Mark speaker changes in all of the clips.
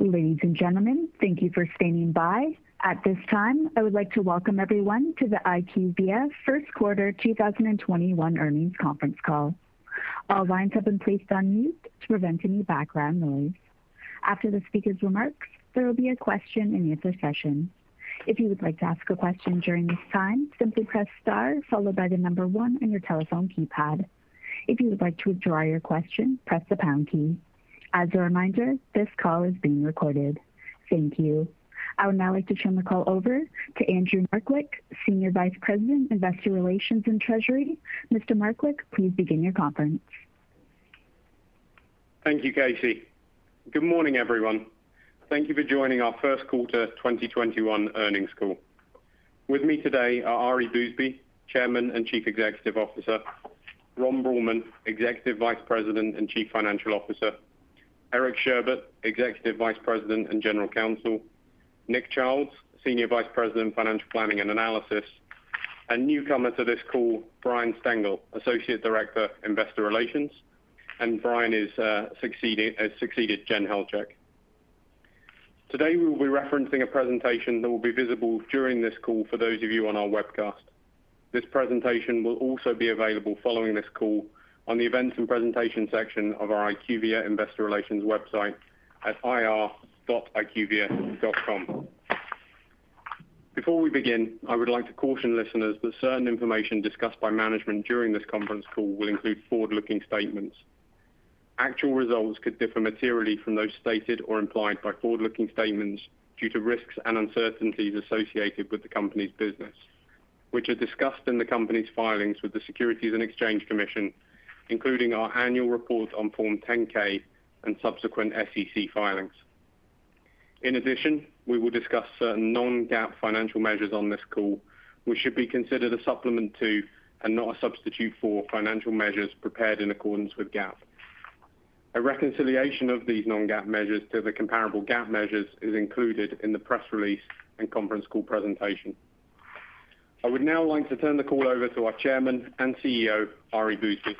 Speaker 1: Ladies and gentlemen, thank you for standing by. At this time, I would like to welcome everyone to the IQVIA First Quarter 2021 Earnings Conference Call. All lines have been placed on mute to prevent any background noise. After the speaker's remarks, there will be a question-and-answer session. If you would like to ask a question during this time, simply press star followed by the number one on your telephone keypad. If you would like to withdraw your question, press the pound key. As a reminder, this call is being recorded. Thank you. I would now like to turn the call over to Andrew Markwick, Senior Vice President, Investor Relations and Treasury. Mr. Markwick, please begin your conference.
Speaker 2: Thank you, Casey. Good morning, everyone. Thank you for joining our First Quarter 2021 Earnings Call. With me today are Ari Bousbib, Chairman and Chief Executive Officer. Ron Bruehlman, Executive Vice President and Chief Financial Officer. Eric Sherbet, Executive Vice President and General Counsel. Nick Childs, Senior Vice President, Financial Planning and Analysis. Newcomer to this call, Brian Stengel, Associate Director, Investor Relations. Brian has succeeded Jen Helchuk. Today we will be referencing a presentation that will be visible during this call for those of you on our webcast. This presentation will also be available following this call on the [ianudible] and Presentation section of our IQVIA Investor Relations website at ir.iqvia.com. Before we begin, I would like to caution listeners that certain information discussed by management during this conference call will include forward-looking statements. Actual results could differ materially from those stated or implied by forward-looking statements due to risks and uncertainties associated with the company's business, which are discussed in the company's filings with the Securities and Exchange Commission, including our annual report on Form 10-K and subsequent SEC filings. In addition, we will discuss certain non-GAAP financial measures on this call, which should be considered a supplement to, and not a substitute for, financial measures prepared in accordance with GAAP. A reconciliation of these non-GAAP measures to the comparable GAAP measures is included in the press release and conference call presentation. I would now like to turn the call over to our Chairman and CEO, Ari Bousbib.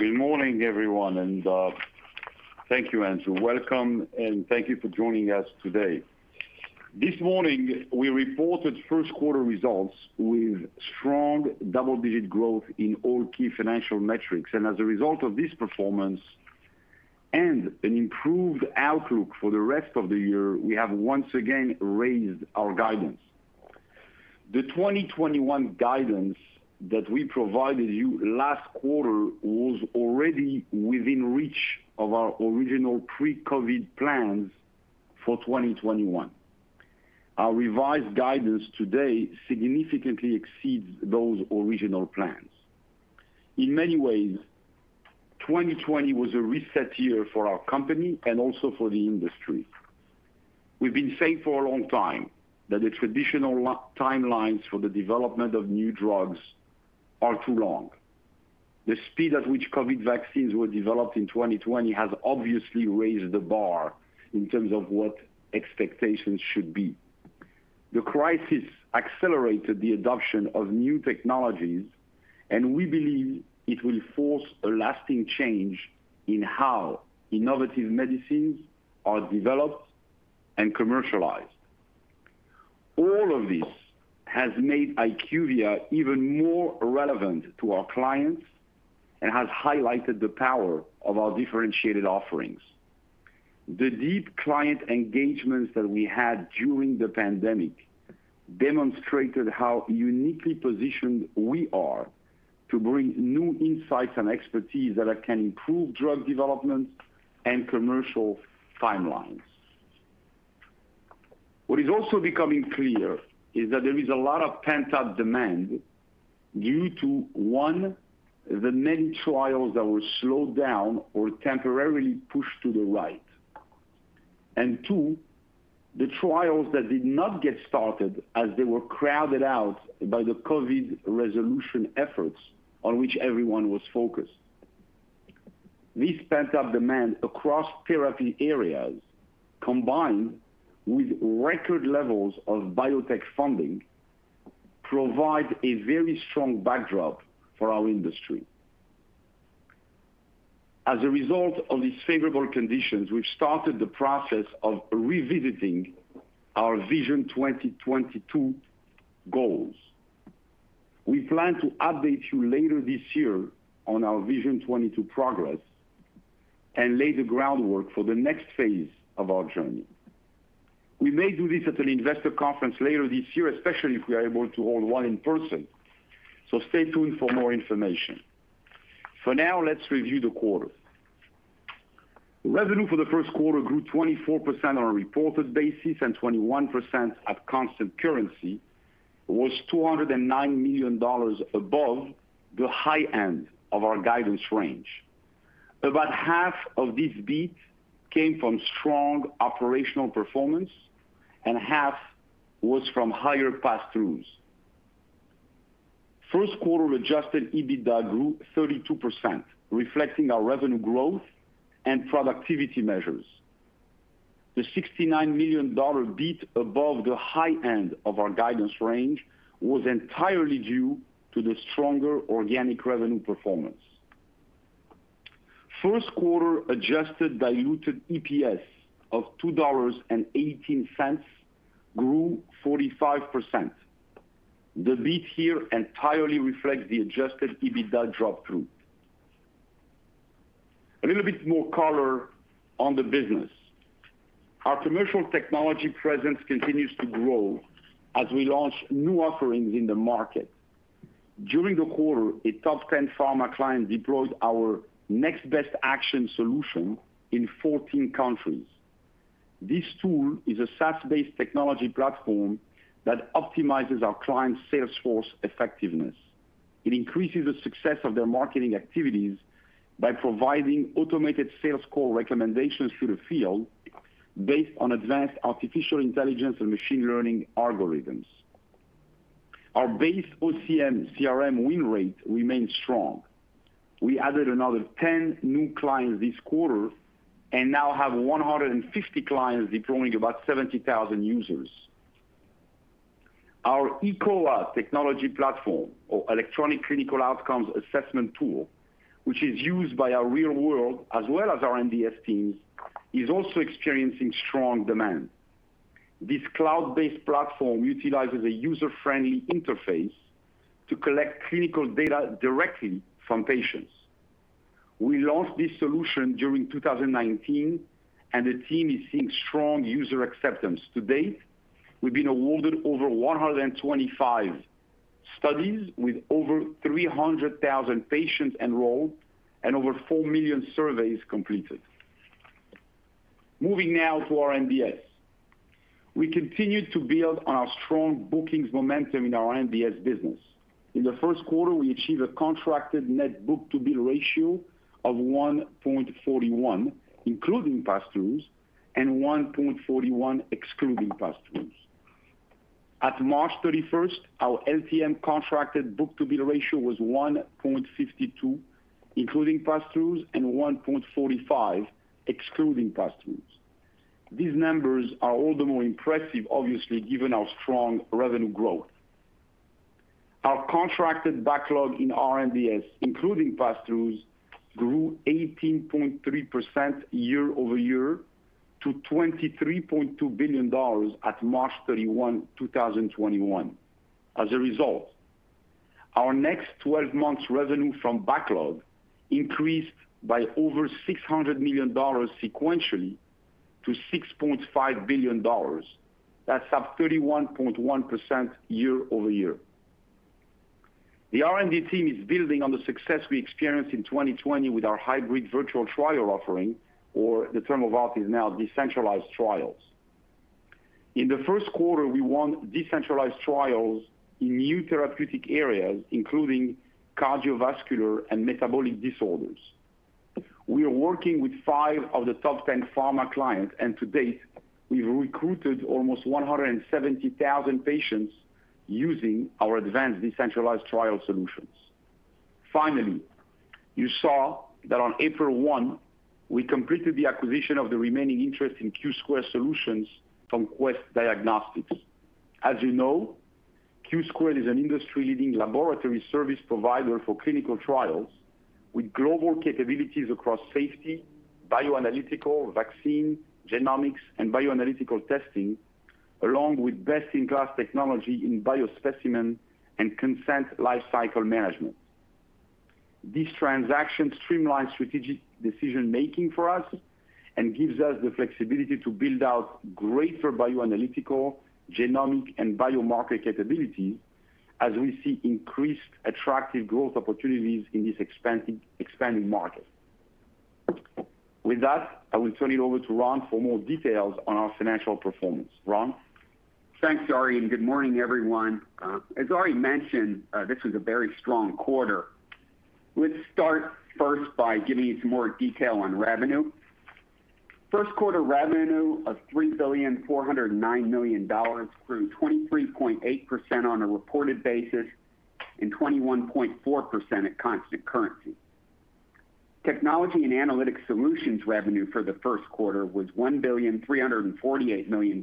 Speaker 3: Good morning, everyone, thank you, Andrew. Welcome, and thank you for joining us today. This morning, we reported first quarter results with strong double-digit growth in all key financial metrics. As a result of this performance and an improved outlook for the rest of the year, we have once again raised our guidance. The 2021 guidance that we provided you last quarter was already within reach of our original pre-COVID plans for 2021. Our revised guidance today significantly exceeds those original plans. In many ways, 2020 was a reset year for our company and also for the industry. We've been saying for a long time that the traditional timelines for the development of new drugs are too long. The speed at which COVID vaccines were developed in 2020 has obviously raised the bar in terms of what expectations should be. The crisis accelerated the adoption of new technologies, and we believe it will force a lasting change in how innovative medicines are developed and commercialized. All of this has made IQVIA even more relevant to our clients and has highlighted the power of our differentiated offerings. The deep client engagements that we had during the pandemic demonstrated how uniquely positioned we are to bring new insights and expertise that can improve drug development and commercial timelines. What is also becoming clear is that there is a lot of pent-up demand due to, one, the many trials that were slowed down or temporarily pushed to the right. Two, the trials that did not get started as they were crowded out by the COVID resolution efforts on which everyone was focused. This pent-up demand across therapy areas, combined with record levels of biotech funding, provide a very strong backdrop for our industry. As a result of these favorable conditions, we've started the process of revisiting our Vision 2022 goals. We plan to update you later this year on our Vision '22 progress and lay the groundwork for the next phase of our journey. We may do this at an investor conference later this year, especially if we are able to hold one in person, so stay tuned for more information. For now, let's review the quarter. Revenue for the first quarter grew 24% on a reported basis and 21% at constant currency, was $209 million above the high end of our guidance range. About half of this beat came from strong operational performance and half was from higher passthroughs. First quarter adjusted EBITDA grew 32%, reflecting our revenue growth and productivity measures. The $69 million beat above the high end of our guidance range was entirely due to the stronger organic revenue performance. First quarter adjusted diluted EPS of $2.18 grew 45%. The beat here entirely reflects the adjusted EBITDA drop-through. A little bit more color on the business. Our commercial technology presence continues to grow as we launch new offerings in the market. During the quarter, a top 10 pharma client deployed our Next Best Action solution in 14 countries. This tool is a SaaS based technology platform that optimizes our clients' sales force effectiveness. It increases the success of their marketing activities by providing automated sales call recommendations to the field based on advanced artificial intelligence and machine learning algorithms. Our base OCE CRM win rate remains strong. We added another 10 new clients this quarter and now have 150 clients deploying about 70,000 users. Our eCOA technology platform, or electronic clinical outcomes assessment tool, which is used by our real world as well as our R&DS teams, is also experiencing strong demand. This cloud-based platform utilizes a user-friendly interface to collect clinical data directly from patients. We launched this solution during 2019, and the team is seeing strong user acceptance. To date, we've been awarded over 125 studies with over 300,000 patients enrolled and over 4 million surveys completed. Moving now to R&DS. We continued to build on our strong bookings momentum in our R&DS business. In the first quarter, we achieved a contracted net book-to-bill ratio of 1.41, including pass-throughs, and 1.41 excluding pass-throughs. At March 31st, our LTM contracted book-to-bill ratio was 1.52, including pass-throughs, and 1.45 excluding pass-throughs. These numbers are all the more impressive, obviously, given our strong revenue growth. Our contracted backlog in R&DS, including pass-throughs, grew 18.3% year-over-year to $23.2 billion at March 31, 2021. Our next 12 months revenue from backlog increased by over $600 million sequentially to $6.5 billion. That's up 31.1% year-over-year. The R&D team is building on the success we experienced in 2020 with our hybrid virtual trial offering or the term of art is now decentralized trials. In the first quarter, we won decentralized trials in new therapeutic areas, including cardiovascular and metabolic disorders. We are working with five of the top 10 pharma clients, and to date, we've recruited almost 170,000 patients using our advanced decentralized trial solutions. You saw that on April 1, we completed the acquisition of the remaining interest in Q2 Solutions from Quest Diagnostics. As you know, Q2 is an industry-leading laboratory service provider for clinical trials with global capabilities across safety, bioanalytical, vaccine, genomics, and bioanalytical testing, along with best-in-class technology in biospecimen and consent lifecycle management. This transaction streamlines strategic decision-making for us and gives us the flexibility to build out greater bioanalytical, genomic, and biomarker capability as we see increased attractive growth opportunities in this expanding market. With that, I will turn it over to Ron for more details on our financial performance. Ron?
Speaker 4: Thanks, Ari. Good morning, everyone. As Ari mentioned, this was a very strong quarter. Let's start first by giving you some more detail on revenue. First quarter revenue of $3.409 billion grew 23.8% on a reported basis and 21.4% at constant currency. Technology & Analytics Solutions revenue for the first quarter was $1.348 billion,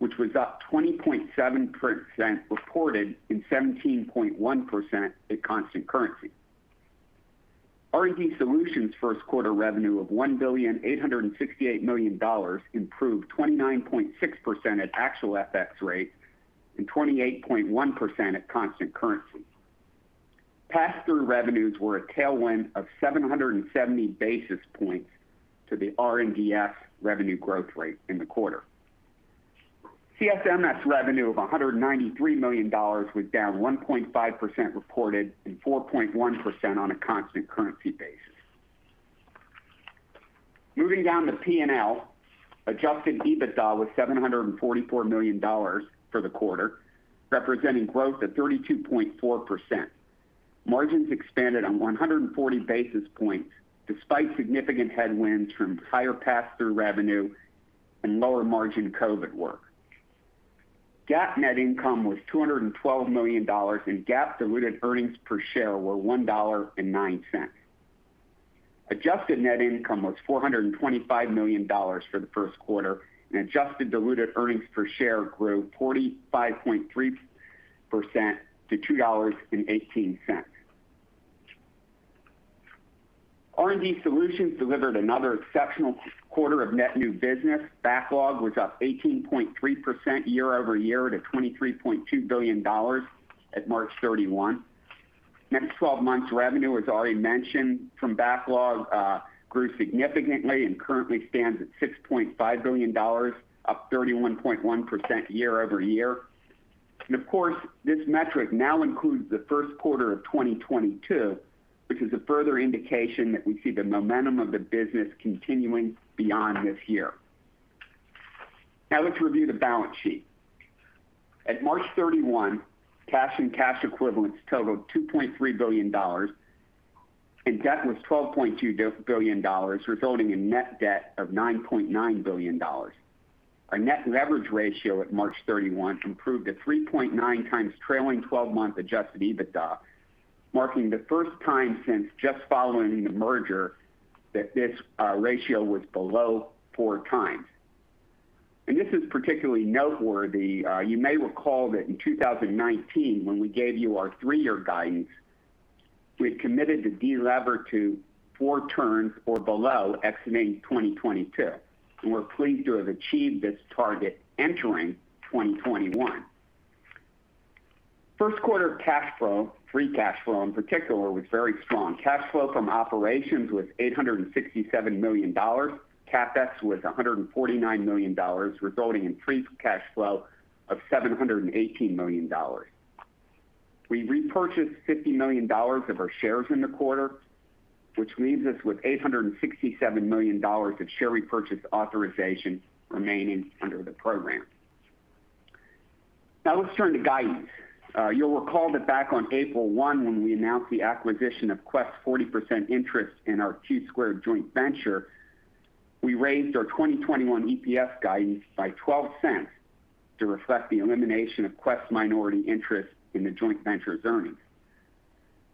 Speaker 4: which was up 20.7% reported and 17.1% at constant currency. R&D Solutions first quarter revenue of $1.868 billion improved 29.6% at actual FX rates and 28.1% at constant currency. Pass-through revenues were a tailwind of 770 basis points to the R&DS revenue growth rate in the quarter. CSMS revenue of $193 million was down 1.5% reported and 4.1% on a constant currency basis. Moving down to P&L, adjusted EBITDA was $744 million for the quarter, representing growth of 32.4%. Margins expanded on 140 basis points despite significant headwinds from higher pass-through revenue and lower margin COVID work. GAAP net income was $212 million. GAAP diluted earnings per share were $1.09. Adjusted net income was $425 million for the first quarter. Adjusted diluted earnings per share grew 45.3% to $2.18. R&D Solutions delivered another exceptional quarter of net new business. Backlog was up 18.3% year-over-year to $23.2 billion at March 31. Next 12 months revenue, as already mentioned, from backlog grew significantly and currently stands at $6.5 billion, up 31.1% year-over-year. Of course, this metric now includes the first quarter of 2022, which is a further indication that we see the momentum of the business continuing beyond this year. Let's review the balance sheet. At March 31, cash and cash equivalents totaled $2.3 billion, and debt was $12.2 billion, resulting in net debt of $9.9 billion. Our net leverage ratio at March 31 improved to 3.9x trailing 12 months adjusted EBITDA, marking the first time since just following the merger that this ratio was below four times. This is particularly noteworthy. You may recall that in 2019, when we gave you our three year guidance, we had committed to de-lever to four turns or below, excluding 2022, and we're pleased to have achieved this target entering 2021. First quarter cash flow, free cash flow in particular, was very strong. Cash flow from operations was $867 million. CapEx was $149 million, resulting in free cash flow of $718 million. We repurchased $50 million of our shares in the quarter, which leaves us with $867 million of share repurchase authorization remaining under the program. Now let's turn to guidance. You'll recall that back on April 1, when we announced the acquisition of Quest's 40% interest in our Q2 Solutions joint venture, we raised our 2021 EPS guidance by $0.12 to reflect the elimination of Quest's minority interest in the joint venture's earnings.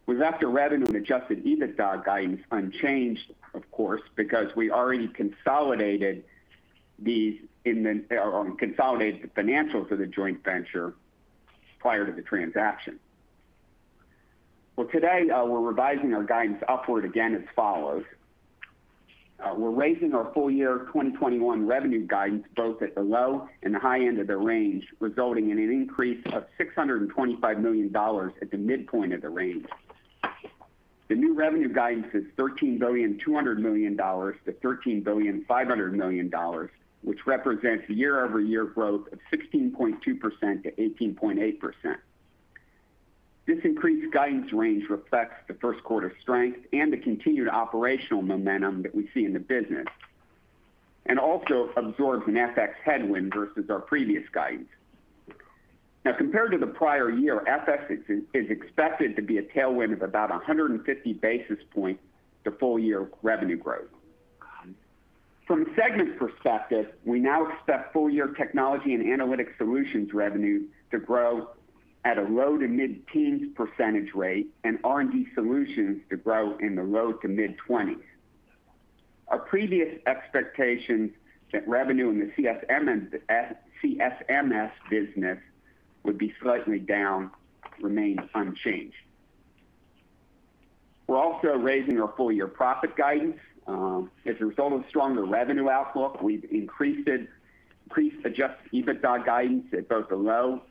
Speaker 4: We left our revenue and adjusted EBITDA guidance unchanged, of course, because we already consolidated the financials of the joint venture prior to the transaction. Well, today, we're revising our guidance upward again as follows. We're raising our full-year 2021 revenue guidance both at the low and the high end of the range, resulting in an increase of $625 million at the midpoint of the range. The new revenue guidance is $13,200 million to $13,500 million, which represents a year-over-year growth of 16.2%-18.8%. This increased guidance range reflects the first quarter strength and the continued operational momentum that we see in the business, and also absorbs an FX headwind versus our previous guidance. Compared to the prior year, FX is expected to be a tailwind of about 150 basis points to full-year revenue growth. From a segment perspective, we now expect full-year Technology & Analytics Solutions revenue to grow at a low to mid-teens percentage rate and R&D Solutions to grow in the low to mid-20s. Our previous expectation that revenue in the CSMS business would be slightly down remains unchanged. We're also raising our full-year profit guidance. As a result of stronger revenue outlook, we've increased adjusted EBITDA guidance at both the low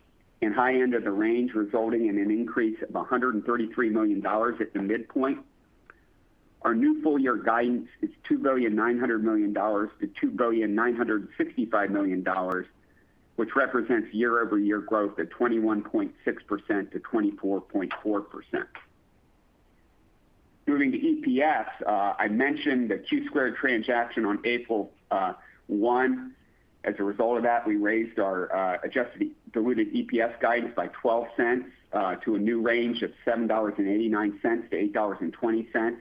Speaker 4: and high end of the range, resulting in an increase of $133 million at the midpoint. Our new full-year guidance is $2,900 million to $2,965 million, which represents year-over-year growth of 21.6%-24.4%. Moving to EPS, I mentioned the Q2 transaction on April 1. As a result of that, we raised our adjusted diluted EPS guidance by $0.12 to a new range of $7.89-$8.20.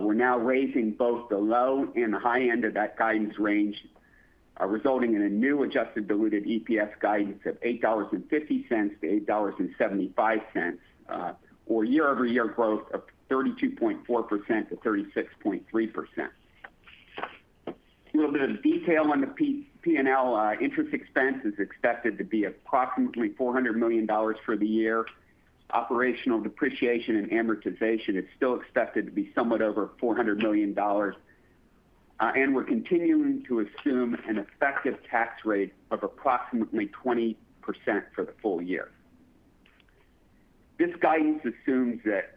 Speaker 4: We're now raising both the low and the high end of that guidance range, resulting in a new adjusted diluted EPS guidance of $8.50-$8.75, or year-over-year growth of 32.4%-36.3%. A little bit of detail on the P&L. Interest expense is expected to be approximately $400 million for the year. Operational depreciation and amortization is still expected to be somewhat over $400 million. We're continuing to assume an effective tax rate of approximately 20% for the full-year. This guidance assumes that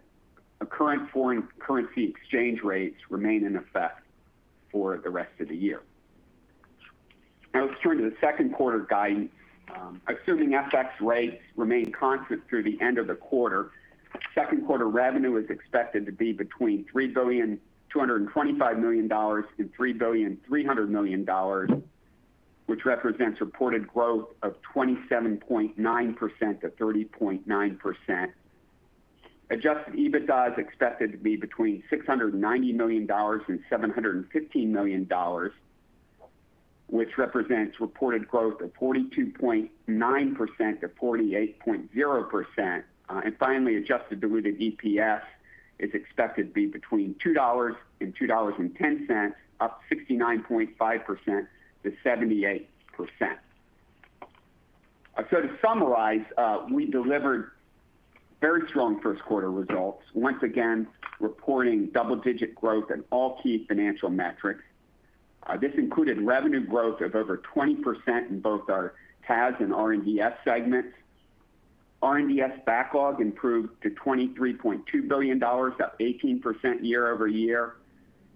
Speaker 4: current foreign currency exchange rates remain in effect for the rest of the year. Let's turn to the second quarter guidance. Assuming FX rates remain constant through the end of the quarter, second quarter revenue is expected to be between $3,225 million to $3,300 million, which represents reported growth of 27.9%-30.9%. Adjusted EBITDA is expected to be between $690 million and $715 million, which represents reported growth of 42.9%-48.0%. Finally, adjusted diluted EPS is expected to be between $2 and $2.10, up 69.5%-78%. To summarize, we delivered very strong first quarter results, once again, reporting double-digit growth in all key financial metrics. This included revenue growth of over 20% in both our TAS and R&DS segments. R&DS backlog improved to $23.2 billion, up 18% year-over-year.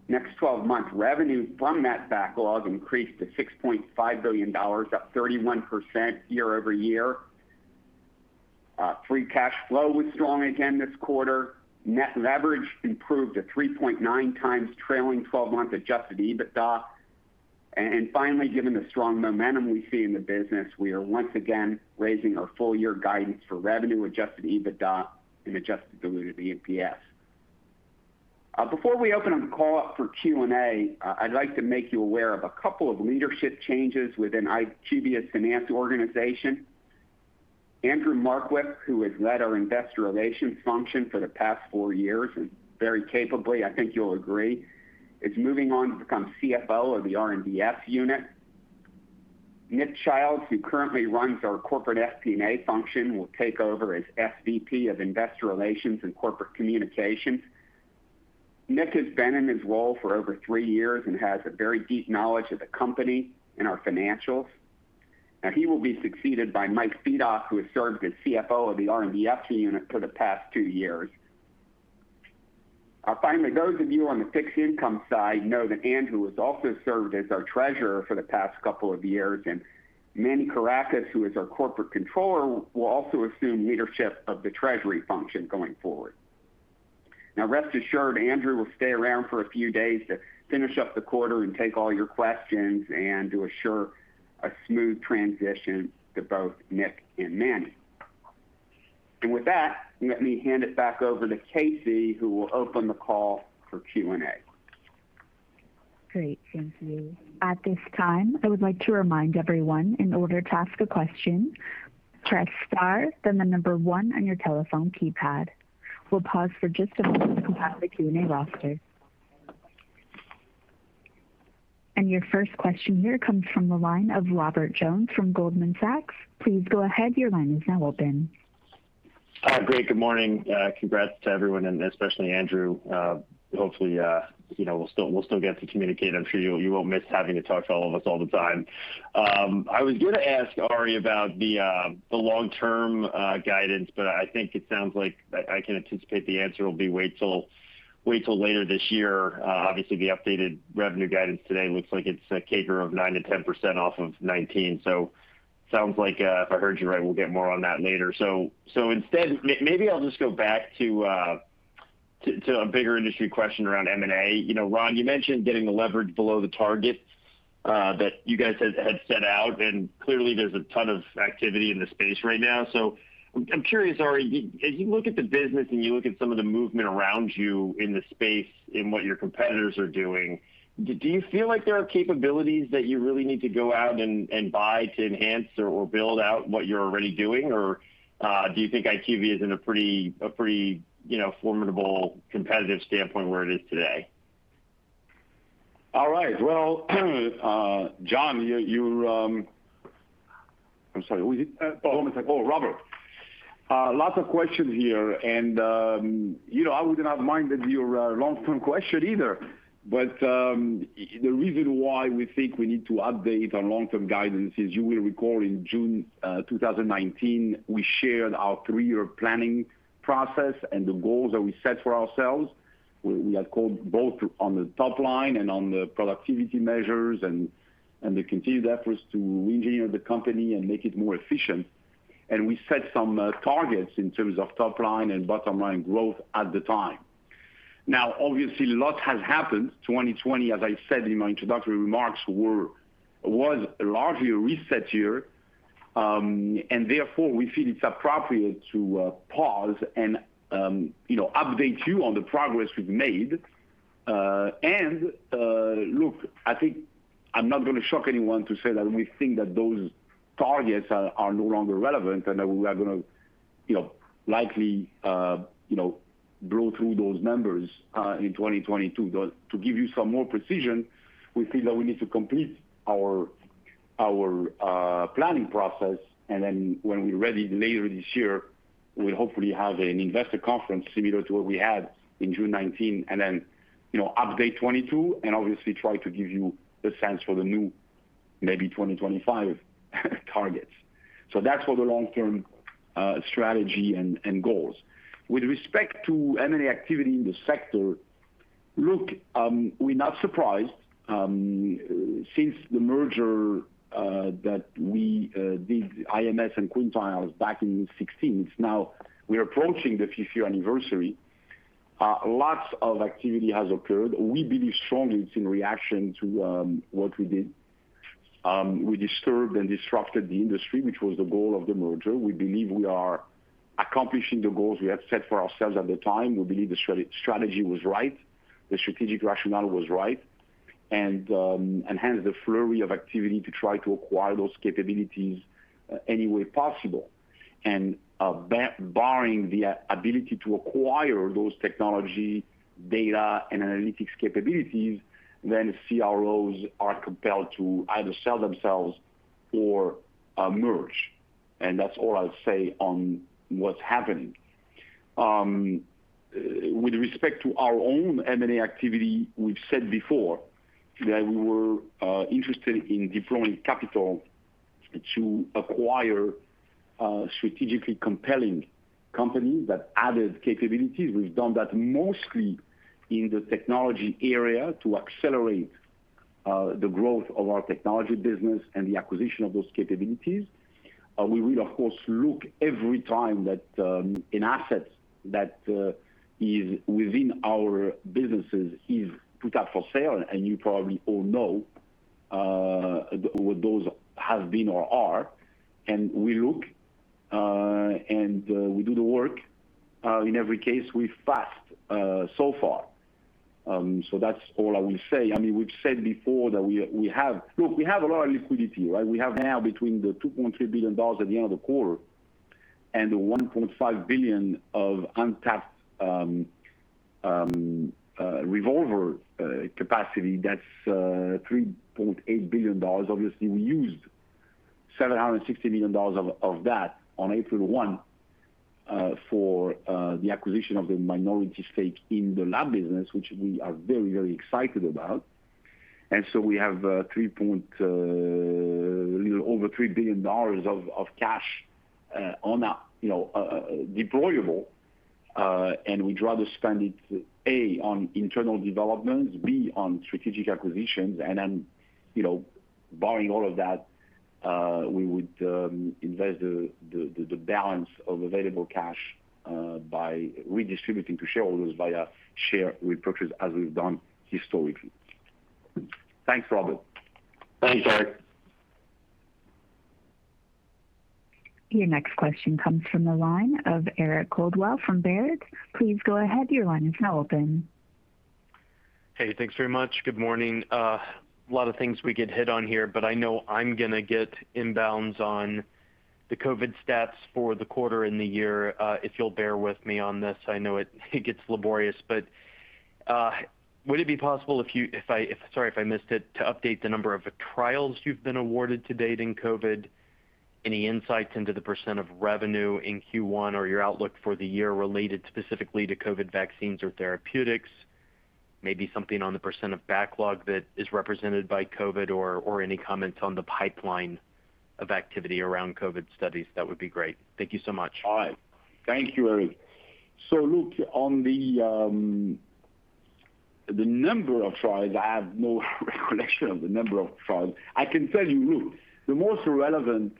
Speaker 4: Next 12 months revenue from that backlog increased to $6.5 billion, up 31% year-over-year. Free cash flow was strong again this quarter. Net leverage improved to 3.9x trailing 12-month adjusted EBITDA. Finally, given the strong momentum we see in the business, we are once again raising our full-year guidance for revenue, adjusted EBITDA, and adjusted diluted EPS. Before we open up the call up for Q&A, I'd like to make you aware of a couple of leadership changes within IQVIA's finance organization. Andrew Markwick, who has led our investor relations function for the past four years, and very capably, I think you'll agree, is moving on to become CFO of the R&DS unit. Nick Childs, who currently runs our corporate FP&A function, will take over as SVP of Investor Relations and Corporate Communications. Nick Childs has been in his role for over three years and has a very deep knowledge of the company and our financials. He will be succeeded by Mike Fedock, who has served as CFO of the R&DS unit for the past two years. Those of you on the fixed income side know that Andrew Markwick has also served as our treasurer for the past couple of years, and Emmanuel Korakis, who is our Corporate Controller, will also assume leadership of the treasury function going forward. Rest assured, Andrew Markwick will stay around for a few days to finish up the quarter and take all your questions and to assure a smooth transition to both Nick Childs and Emmanuel Korakis. With that, let me hand it back over to Casey, who will open the call for Q&A.
Speaker 1: Great. Thank you. At this time, I would like to remind everyone, in order to ask a question, press star, then the number one on your telephone keypad. We will pause for just a moment to compile the Q&A roster. Your first question here comes from the line of Robert Jones from Goldman Sachs. Please go ahead, your line is now open.
Speaker 5: Hi. Great. Good morning. Congrats to everyone, and especially Andrew. Hopefully, we'll still get to communicate. I'm sure you won't miss having to talk to all of us all the time. I was going to ask Ari about the long-term guidance. I think it sounds like I can anticipate the answer will be wait till later this year. Obviously, the updated revenue guidance today looks like it's a CAGR of 9%-10% off of 2019. Sounds like if I heard you right, we'll get more on that later. Instead, maybe I'll just go back to a bigger industry question around M&A. Ron, you mentioned getting the leverage below the target that you guys had set out. Clearly there's a ton of activity in the space right now. I'm curious, Ari, as you look at the business and you look at some of the movement around you in the space in what your competitors are doing, do you feel like there are capabilities that you really need to go out and buy to enhance or build out what you're already doing? Or do you think IQVIA is in a pretty formidable competitive standpoint where it is today?
Speaker 3: All right. Well, John, I'm sorry. Who is it?
Speaker 5: Robert.
Speaker 3: Oh, Robert. Lots of questions here, and I would not mind your long-term question either. The reason why we think we need to update on long-term guidance is you will recall in June 2019, we shared our three-year planning process and the goals that we set for ourselves. We had called both on the top line and on the productivity measures and the continued efforts to reengineer the company and make it more efficient. We set some targets in terms of top line and bottom line growth at the time. Now, obviously, a lot has happened. 2020, as I said in my introductory remarks, was largely a reset year. Therefore, we feel it's appropriate to pause and update you on the progress we've made. Look, I think I'm not going to shock anyone to say that we think that those targets are no longer relevant, and that we are going to likely [ianudible] through those numbers in 2022. To give you some more precision, we feel that we need to complete our planning process, and then when we're ready later this year, we'll hopefully have an investor conference similar to what we had in June 2019, and then update 2022 and obviously try to give you a sense for the new, maybe 2025 targets. That's for the long-term strategy and goals. With respect to M&A activity in the sector, look, we're not surprised. Since the merger that we did, IMS and Quintiles back in 2016, it's now we're approaching the 5th year anniversary. Lots of activity has occurred. We believe strongly it's in reaction to what we did. We disturbed and disrupted the industry, which was the goal of the merger. We believe we are accomplishing the goals we have set for ourselves at the time. We believe the strategy was right, the strategic rationale was right, hence the flurry of activity to try to acquire those capabilities any way possible. Barring the ability to acquire those technology data and analytics capabilities, then CROs are compelled to either sell themselves or merge. That's all I'll say on what's happening. With respect to our own M&A activity, we've said before that we were interested in deploying capital to acquire strategically compelling companies that added capabilities. We've done that mostly in the technology area to accelerate the growth of our technology business and the acquisition of those capabilities. We will, of course, look every time that an asset that is within our businesses is put up for sale, and you probably all know what those have been or are. We look, we do the work. In every case, we've passed so far. That's all I will say. Look, we have a lot of liquidity, right? We have now between the $2.3 billion at the end of the quarter and the $1.5 billion of untapped revolver capacity, that's $3.8 billion. Obviously, we used $760 million of that on April 1 for the acquisition of the minority stake in the lab business, which we are very excited about. We have a little over $3 billion of cash deployable. We'd rather spend it, A, on internal developments, B, on strategic acquisitions, and then barring all of that, we would invest the balance of available cash by redistributing to shareholders via share repurchase as we've done historically. Thanks, Robert.
Speaker 5: Thanks, Ari.
Speaker 1: Your next question comes from the line of Eric Coldwell from Baird. Please go ahead. Your line is now open.
Speaker 6: Hey, thanks very much. Good morning. A lot of things we could hit on here, I know I'm going to get inbounds on the COVID stats for the quarter and the year. If you'll bear with me on this, I know it gets laborious. Would it be possible, sorry if I missed it, to update the number of trials you've been awarded to date in COVID? Any insights into the % of revenue in Q1 or your outlook for the year related specifically to COVID vaccines or therapeutics? Maybe something on the % of backlog that is represented by COVID, or any comments on the pipeline of activity around COVID studies, that would be great. Thank you so much.
Speaker 3: All right. Thank you, Eric. Look, on the number of trials, I have no recollection of the number of trials. I can tell you, look, the most relevant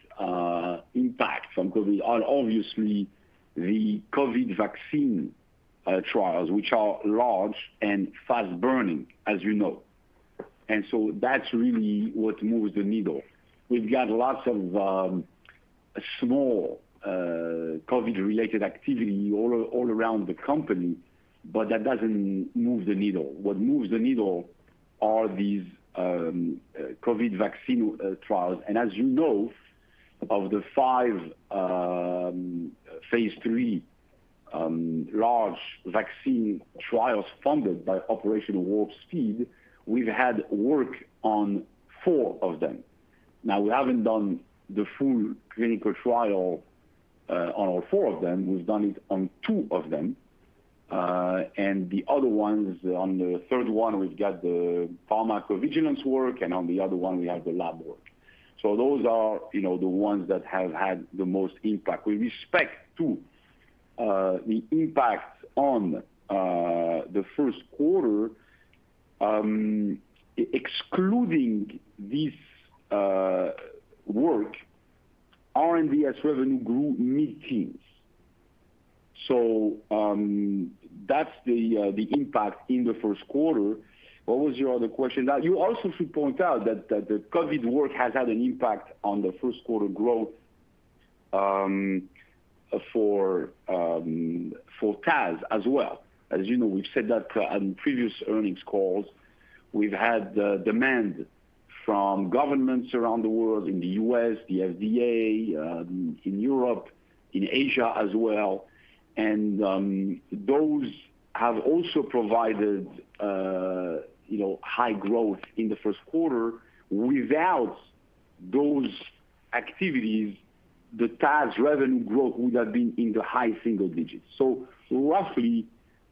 Speaker 3: impact from COVID are obviously the COVID vaccine trials, which are large and fast-burning, as you know. That's really what moves the needle. We've got lots of small COVID-related activity all around the company, but that doesn't move the needle. What moves the needle are these COVID vaccine trials. As you know, of the five phase III large vaccine trials funded by Operation Warp Speed, we've had work on four of them. Now, we haven't done the full clinical trial on all four of them. We've done it on two of them. The other ones, on the third one, we've got the pharmacovigilance work, and on the other one, we have the lab work. Those are the ones that have had the most impact. With respect to the impact on the first quarter excluding this work, R&DS revenue grew mid-teens. That's the impact in the first quarter. What was your other question? You also should point out that the COVID work has had an impact on the first quarter growth for TAS as well. As you know, we've said that on previous earnings calls. We've had the demand from governments around the world, in the U.S., the FDA, in Europe, in Asia as well. Those have also provided high growth in the first quarter. Without those activities, the TAS revenue growth would have been in the high single digits. Roughly,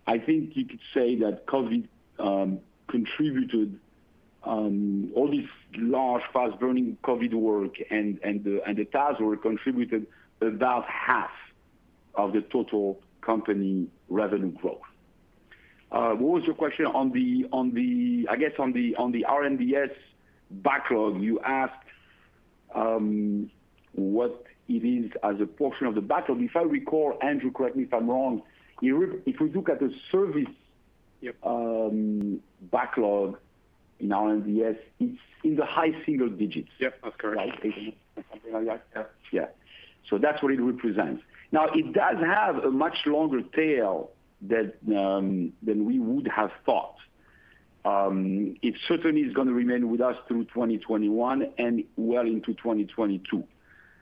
Speaker 3: I think you could say that COVID contributed all these large, fast-burning COVID work and the TAS work contributed about half of the total company revenue growth. What was your question? I guess on the R&DS backlog, you asked what it is as a portion of the backlog. If I recall, Andrew, correct me if I'm wrong, if we look at the service backlog in R&DS, it's in the high single digits. Yep. That's correct. Right? Something like that. Yeah. That's what it represents. Now, it does have a much longer tail than we would have thought. It certainly is going to remain with us through 2021 and well into 2022.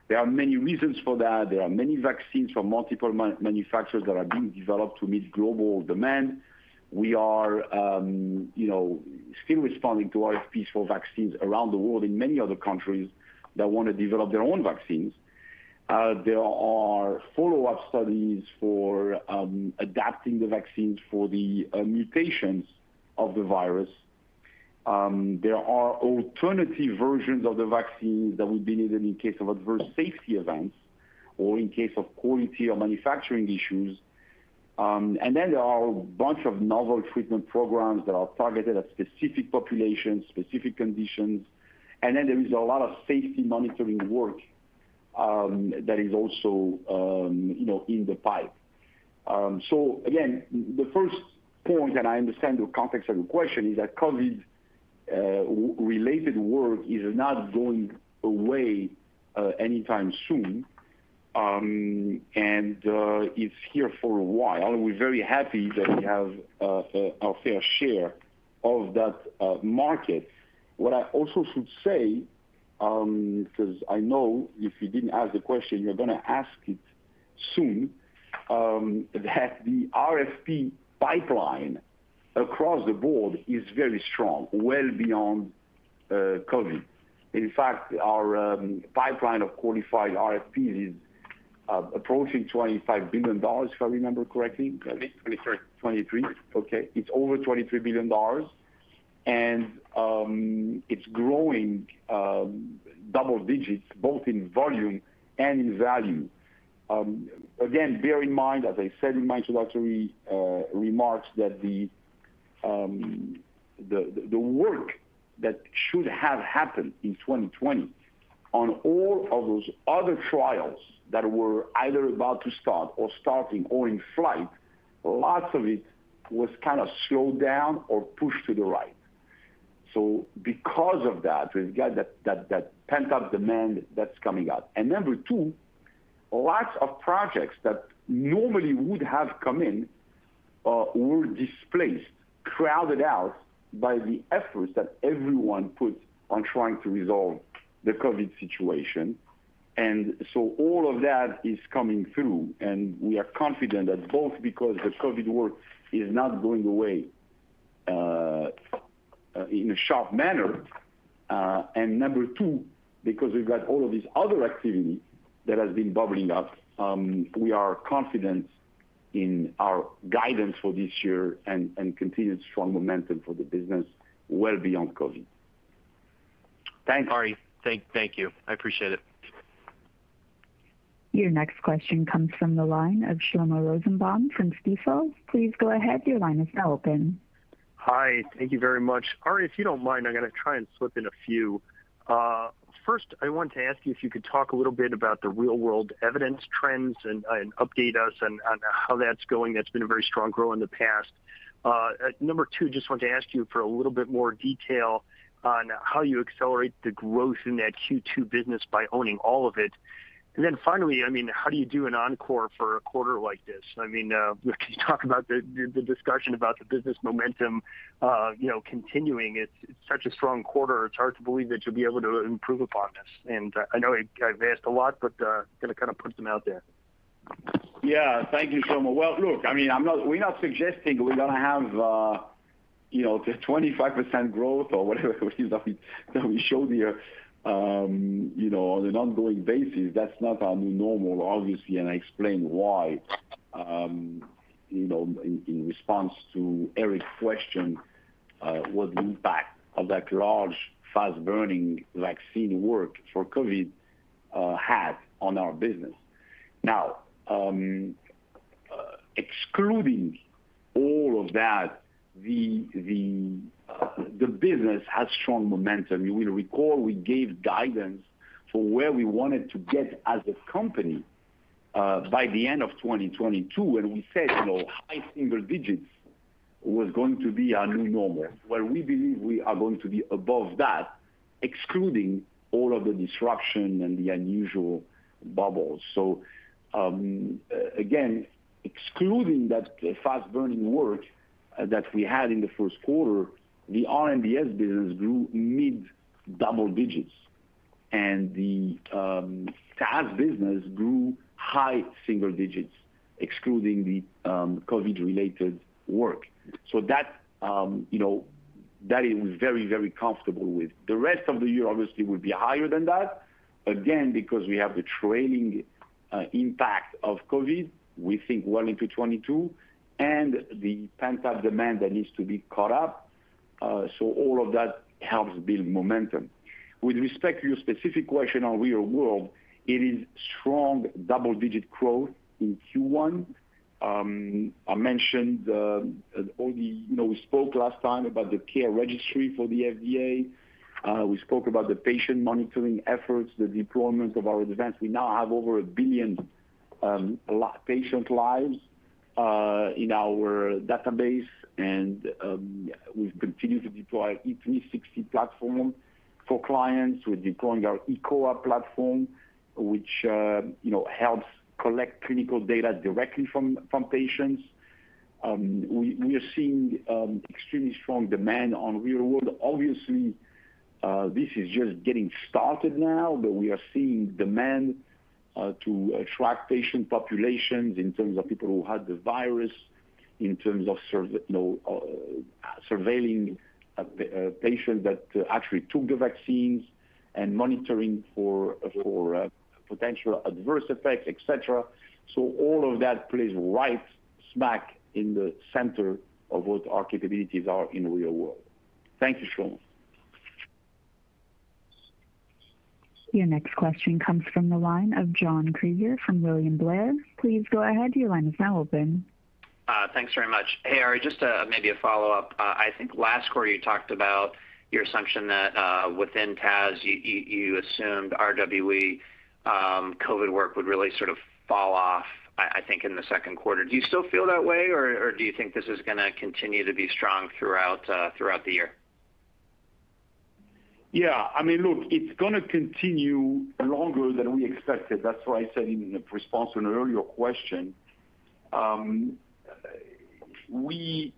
Speaker 3: There are many reasons for that. There are many vaccines from multiple manufacturers that are being developed to meet global demand. We are still responding to RFPs for vaccines around the world in many other countries that want to develop their own vaccines. There are follow-up studies for adapting the vaccines for the mutations of the virus. There are alternative versions of the vaccines that will be needed in case of adverse safety events or in case of quality or manufacturing issues. There are a bunch of novel treatment programs that are targeted at specific populations, specific conditions. There is a lot of safety monitoring work that is also in the pipe. Again, the first point, and I understand the context of your question, is that COVID-related work is not going away anytime soon. It's here for a while. We're very happy that we have our fair share of that market. What I also should say, because I know if you didn't ask the question, you're going to ask it soon, that the RFP pipeline across the board is very strong, well beyond COVID. In fact, our pipeline of qualified RFPs is approaching $25 billion, if I remember correctly. I think it's 23. 23? Okay. It's over $23 billion. It's growing double digits both in volume and in value. Again, bear in mind, as I said in my introductory remarks, that the work that should have happened in 2020 on all of those other trials that were either about to start or starting or in flight, lots of it was kind of slowed down or pushed to the right. Because of that, we've got that pent-up demand that's coming up. Number two, lots of projects that normally would have come in were displaced, crowded out by the efforts that everyone put on trying to resolve the COVID situation. All of that is coming through, and we are confident that both because the COVID work is not going away in a sharp manner, and number two, because we've got all of this other activity that has been bubbling up. We are confident in our guidance for this year and continued strong momentum for the business well beyond COVID. Thanks.
Speaker 6: Ari, thank you. I appreciate it.
Speaker 1: Your next question comes from the line of Shlomo Rosenbaum from Stifel. Please go ahead. Your line is now open.
Speaker 7: Hi. Thank you very much. Ari, if you don't mind, I'm going to try and slip in a few. First, I wanted to ask you if you could talk a little bit about the real-world evidence trends and update us on how that's going. That's been a very strong growth in the past. Number two, just wanted to ask you for a little bit more detail on how you accelerate the growth in that Q2 business by owning all of it. Finally, how do you do an encore for a quarter like this? Can you talk about the discussion about the business momentum continuing? It's such a strong quarter, it's hard to believe that you'll be able to improve upon this. I know I've asked a lot, but going to kind of put them out there.
Speaker 3: Yeah. Thank you, Shlomo. We're not suggesting we're going to have the 25% growth or whatever it was that we showed here on an ongoing basis. That's not our new normal, obviously, and I explained why in response to Eric's question was the impact of that large, fast-burning vaccine work for COVID had on our business. Excluding all of that, the business has strong momentum. You will recall we gave guidance for where we wanted to get as a company by the end of 2022 when we said high single digits was going to be our new normal. We believe we are going to be above that, excluding all of the disruption and the unusual bubbles. Again, excluding that fast-burning work that we had in the first quarter, the R&DS business grew mid double digits and the SaaS business grew high single digits, excluding the COVID-related work. That is very comfortable with. The rest of the year obviously will be higher than that, again, because we have the trailing impact of COVID, we think well into 2022, and the pent-up demand that needs to be caught up. All of that helps build momentum. With respect to your specific question on real world, it is strong double-digit growth in Q1. I mentioned we spoke last time about the CURE registry for the FDA. We spoke about the patient monitoring efforts, the deployment of our events. We now have over 1 billion patient lives in our database, and we've continued to deploy E360 platform for clients. We're deploying our eCOA platform, which helps collect clinical data directly from patients. We are seeing extremely strong demand on real world. This is just getting started now, but we are seeing demand to track patient populations in terms of people who had the virus, in terms of surveilling a patient that actually took the vaccines, and monitoring for potential adverse effects, et cetera. All of that plays right smack in the center of what our capabilities are in the real world. Thank you, Shlomo.
Speaker 1: Your next question comes from the line of John Kreger from William Blair. Please go ahead.
Speaker 8: Thanks very much. Hey, Ari, just maybe a follow-up. I think last quarter you talked about your assumption that within TAS, you assumed RWE COVID work would really sort of fall off, I think, in the second quarter. Do you still feel that way, or do you think this is going to continue to be strong throughout the year?
Speaker 3: Yeah. Look, it's going to continue longer than we expected. That's what I said in response to an earlier question. We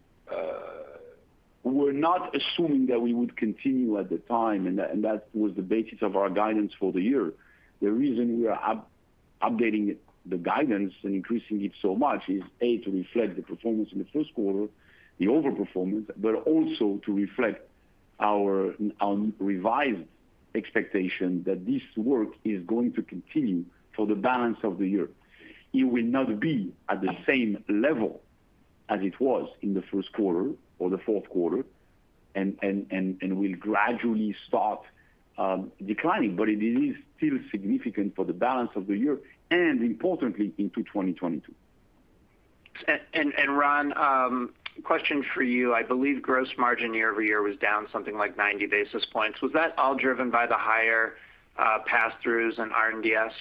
Speaker 3: were not assuming that we would continue at the time, and that was the basis of our guidance for the year. The reason we are updating the guidance and increasing it so much is, A, to reflect the performance in the first quarter, the overperformance, but also to reflect our revised expectation that this work is going to continue for the balance of the year. It will not be at the same level as it was in the first quarter or the fourth quarter, and will gradually start declining. It is still significant for the balance of the year and, importantly, into 2022.
Speaker 8: Ron, question for you. I believe gross margin year-over-year was down something like 90 basis points. Was that all driven by the higher passthroughs and R&DS?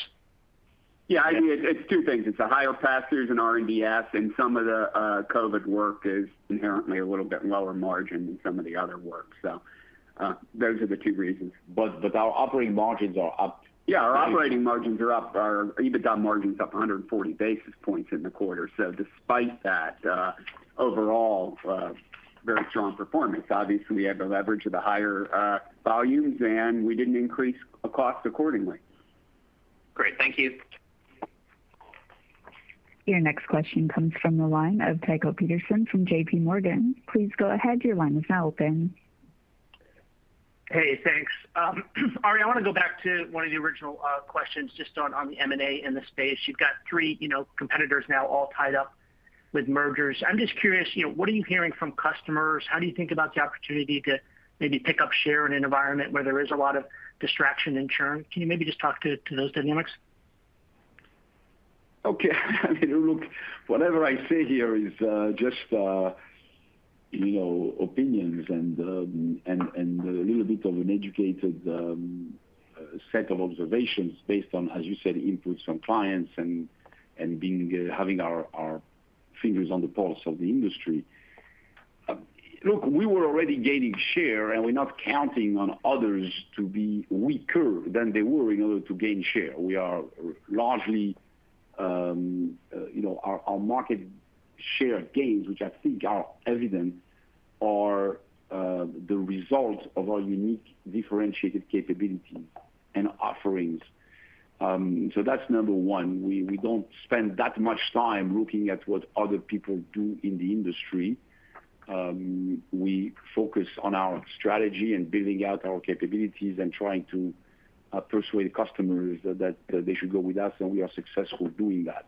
Speaker 4: I think it's two things. It's the higher passthroughs and R&DS, and some of the COVID work is inherently a little bit lower margin than some of the other work. Those are the two reasons.
Speaker 3: Our operating margins are up.
Speaker 4: Yeah, our operating margins are up. Our EBITDA margin's up 140 basis points in the quarter. Despite that, overall, very strong performance. Obviously, we have the leverage of the higher volumes, and we didn't increase cost accordingly.
Speaker 8: Great. Thank you.
Speaker 1: Your next question comes from the line of Tycho Peterson from JPMorgan. Please go ahead. Your line is now open.
Speaker 9: Hey, thanks. Ari, I want to go back to one of the original questions just on the M&A in the space. You've got three competitors now all tied up with mergers. I'm just curious, what are you hearing from customers? How do you think about the opportunity to maybe pick up share in an environment where there is a lot of distraction in churn? Can you maybe just talk to those dynamics?
Speaker 3: Okay. Look, whatever I say here is just opinions and a little bit of an educated set of observations based on, as you said, inputs from clients and having our fingers on the pulse of the industry. Look, we were already gaining share. We're not counting on others to be weaker than they were in order to gain share. Our market share gains, which I think are evident, are the result of our unique differentiated capabilities and offerings. That's number one. We don't spend that much time looking at what other people do in the industry. We focus on our strategy and building out our capabilities and trying to persuade customers that they should go with us, and we are successful doing that.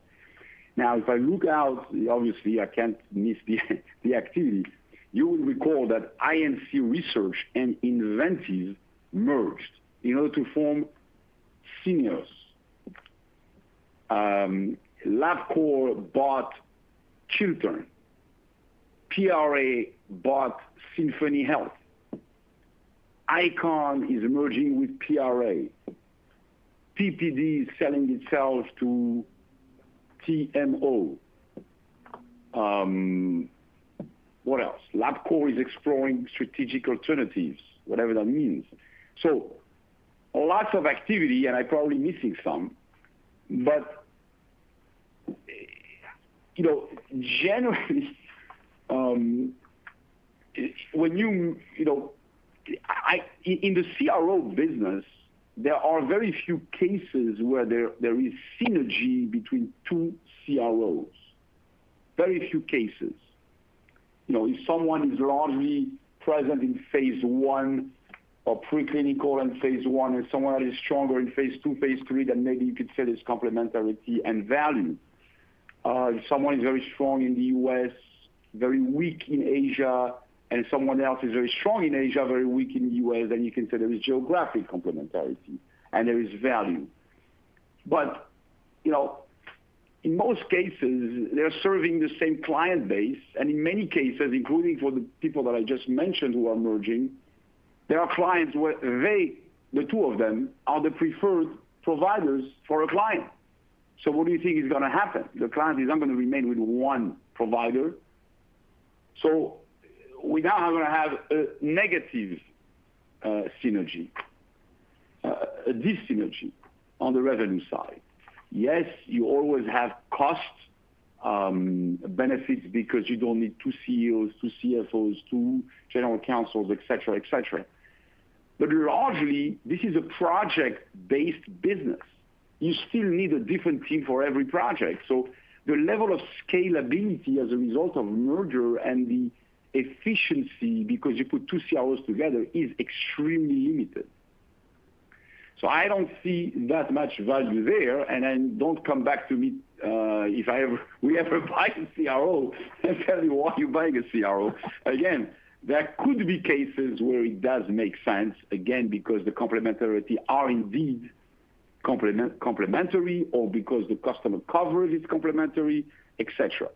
Speaker 3: Now, if I look out, obviously, I can't miss the activity. You will recall that INC Research and inVentiv Health merged in order to form Syneos Health. LabCorp bought Chiltern. PRA bought Symphony Health. ICON is merging with PRA. PPD is selling itself to Thermo Fisher Scientific. What else? LabCorp is exploring strategic alternatives, whatever that means. Lots of activity, and I'm probably missing some. Generally, in the CRO business, there are very few cases where there is synergy between two CROs. Very few cases. If someone is largely present in phase I or pre-clinical and phase I, and someone is stronger in phase II, phase III, then maybe you could say there's complementarity and value. If someone is very strong in the U.S. very weak in Asia and someone else is very strong in Asia, very weak in the U.S., then you can say there is geographic complementarity and there is value. In most cases, they're serving the same client base, and in many cases, including for the people that I just mentioned who are merging, there are clients where the two of them are the preferred providers for a client. What do you think is going to happen? The client is either going to remain with one provider. We now are going to have a negative synergy, a dyssynergy on the revenue side. Yes, you always have cost benefits because you don't need two CEOs, two CFOs, two general counsels, et cetera. Largely, this is a project-based business. You still need a different team for every project. The level of scalability as a result of merger and the efficiency, because you put two CROs together, is extremely limited. I don't see that much value there. Don't come back to me if we ever buy a CRO and tell me why you're buying a CRO. There could be cases where it does make sense, again, because the complementarity are indeed complementary or because the customer coverage is complementary, et cetera.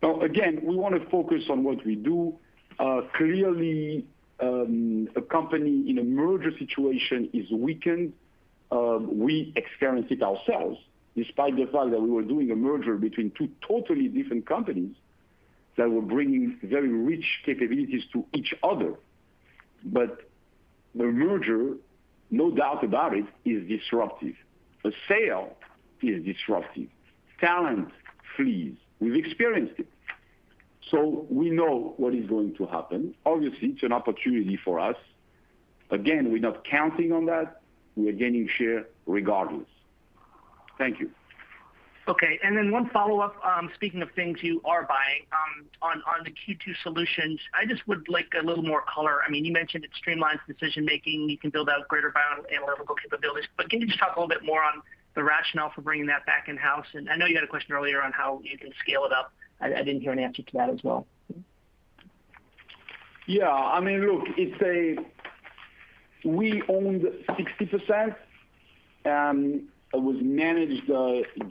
Speaker 3: We want to focus on what we do. Clearly, a company in a merger situation is weakened. We experienced it ourselves, despite the fact that we were doing a merger between two totally different companies that were bringing very rich capabilities to each other. The merger, no doubt about it, is disruptive. A sale is disruptive. Talent flees. We've experienced it, so we know what is going to happen. Obviously, it's an opportunity for us. We're not counting on that. We are gaining share regardless. Thank you.
Speaker 9: Okay. One follow-up. Speaking of things you are buying. On the Q2 Solutions, I just would like a little more color. You mentioned it streamlines decision-making. You can build out greater bioanalytical capabilities. Can you just talk a little bit more on the rationale for bringing that back in-house? I know you had a question earlier on how you can scale it up. I didn't hear an answer to that as well.
Speaker 3: Yeah. Look, we owned 60%, and it was managed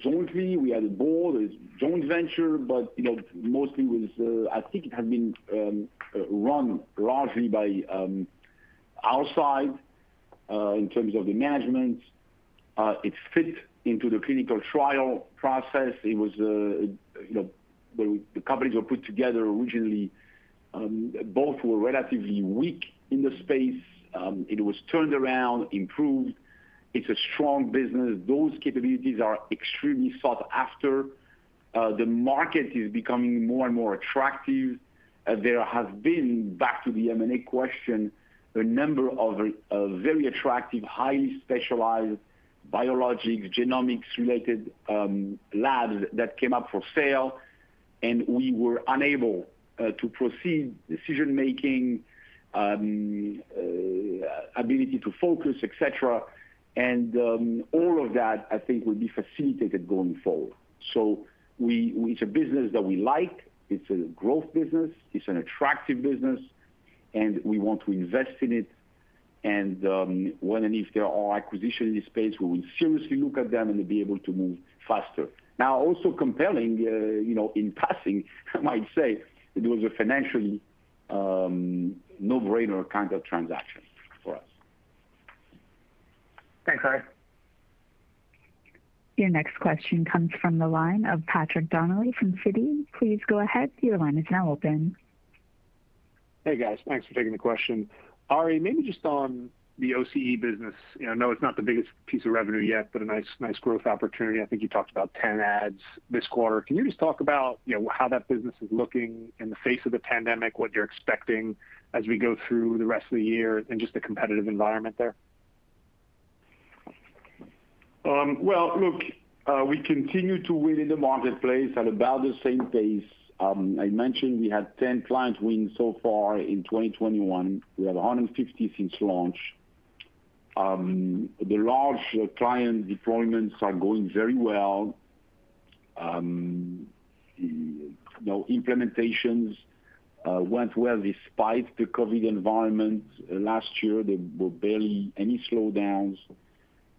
Speaker 3: jointly. We had a board. It was a joint venture, but mostly I think it had been run largely by outside in terms of the management. It fit into the clinical trial process. The companies were put together originally. Both were relatively weak in the space. It was turned around, improved. It's a strong business. Those capabilities are extremely sought after. The market is becoming more and more attractive. There have been, back to the M&A question, a number of very attractive, highly specialized biologic, genomics-related labs that came up for sale, and we were unable to proceed decision-making, ability to focus, et cetera. All of that, I think, will be facilitated going forward. It's a business that we like. It's a growth business. It's an attractive business, and we want to invest in it. When and if there are acquisitions in the space, we will seriously look at them and be able to move faster. Also compelling, in passing, I might say it was a financially no-brainer kind of transaction for us.
Speaker 9: Thanks, Ari.
Speaker 1: Your next question comes from the line of Patrick Donnelly from Citi. Please go ahead. Your line is now open.
Speaker 10: Hey, guys. Thanks for taking the question. Ari, maybe just on the OCE business. I know it's not the biggest piece of revenue yet, but a nice growth opportunity. I think you talked about 10 adds this quarter. Can you just talk about how that business is looking in the face of the pandemic, what you're expecting as we go through the rest of the year and just the competitive environment there?
Speaker 3: Look, we continue to win in the marketplace at about the same pace. I mentioned we had 10 client wins so far in 2021. We have 150 since launch. The large client deployments are going very well. Implementations went well despite the COVID environment. Last year, there were barely any slowdowns.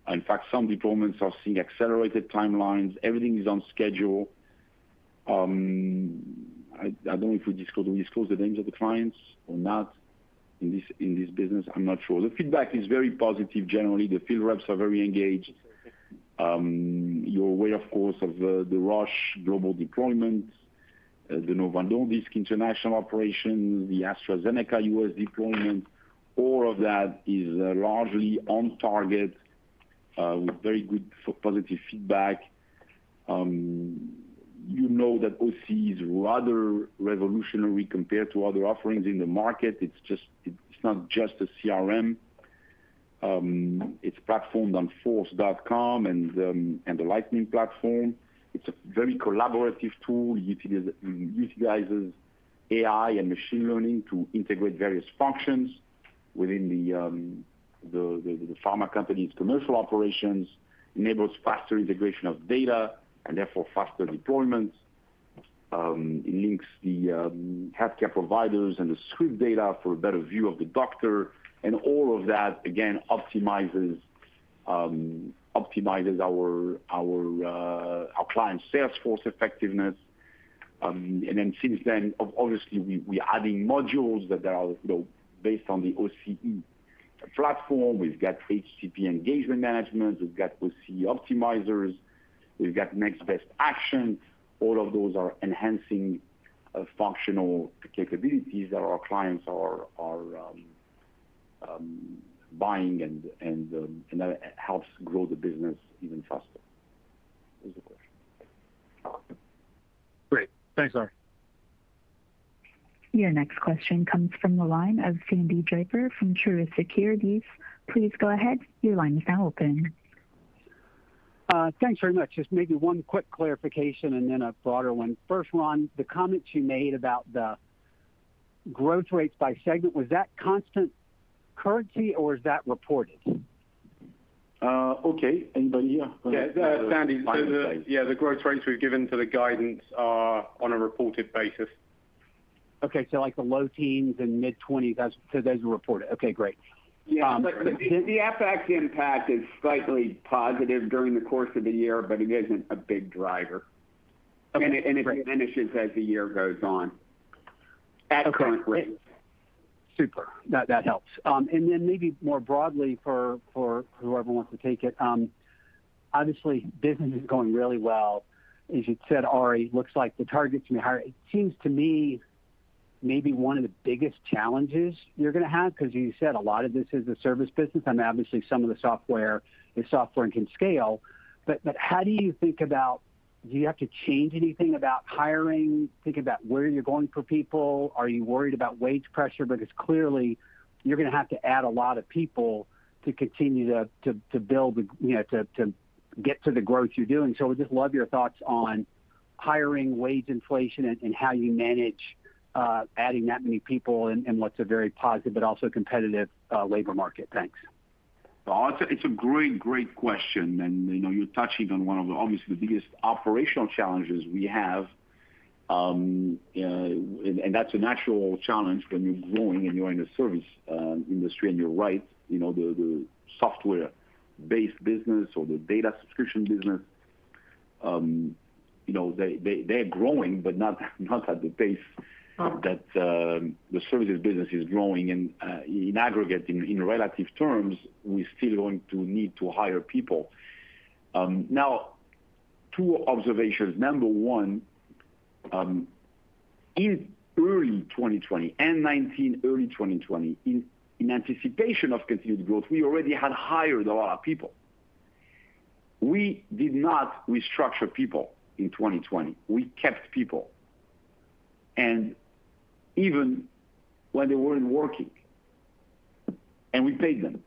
Speaker 3: Some deployments are seeing accelerated timelines. Everything is on schedule. I don't know if we disclose the names of the clients or not in this business. I'm not sure. The feedback is very positive generally. The field reps are very engaged. You're aware, of course, of the Roche global deployment, the Novo Nordisk international operation, the AstraZeneca U.S. deployment. All of that is largely on target with very good positive feedback. You know that OCE is rather revolutionary compared to other offerings in the market. It's not just a CRM. It's platformed on Force.com and the Lightning platform. It's a very collaborative tool. It utilizes AI and machine learning to integrate various functions within the pharma company's commercial operations enables faster integration of data and therefore faster deployment. It links the healthcare providers and the script data for a better view of the doctor and all of that, again, optimizes our clients' salesforce effectiveness. Since then, obviously, we are adding modules that are based on the OCE platform. We've got HCP Engagement Management, we've got OCE Optimizer, we've got Next Best Action. All of those are enhancing functional capabilities that our clients are buying and that helps grow the business even faster. That's the question.
Speaker 10: Great. Thanks, Ari.
Speaker 1: Your next question comes from the line of Sandy Draper from Truist Securities. Please go ahead.
Speaker 11: Thanks very much. Just maybe one quick clarification and then a broader one. First, Ron, the comments you made about the growth rates by segment, was that constant currency or was that reported?
Speaker 4: Okay. Anybody? Yeah. Yeah. Sandy, the growth rates we've given to the guidance are on a reported basis.
Speaker 11: Okay. Like the low teens and mid-20s, those are reported. Okay, great.
Speaker 3: Yeah. The FX impact is slightly positive during the course of the year, but it isn't a big driver.
Speaker 11: Okay, great.
Speaker 3: It diminishes as the year goes on, at current rates.
Speaker 11: Super. That helps. Maybe more broadly for whoever wants to take it. Obviously business is going really well. As you said, Ari, looks like the targets may be higher. It seems to me maybe one of the biggest challenges you're going to have, because you said a lot of this is the service business and obviously some of the software can scale, but how do you think about, do you have to change anything about hiring? Think about where you're going for people. Are you worried about wage pressure? Clearly you're going to have to add a lot of people to continue to get to the growth you're doing. Would just love your thoughts on hiring, wage inflation, and how you manage adding that many people in what's a very positive but also competitive labor market. Thanks.
Speaker 3: Well, it's a great question, you're touching on one of the, obviously, biggest operational challenges we have. That's a natural challenge when you're growing and you're in a service industry. You're right, the software-based business or the data subscription business, they are growing, but not at the pace. Okay. That the services business is growing. In aggregate, in relative terms, we're still going to need to hire people. Two observations. Number one, in early 2020, end 2019, early 2020, in anticipation of continued growth, we already had hired a lot of people. We did not restructure people in 2020. We kept people. Even when they weren't working, and we paid them.